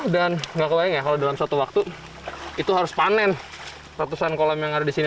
dan nggak kebayang ya kalau dalam suatu waktu itu harus panen ratusan kolam yang ada di sini